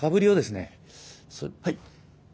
はい？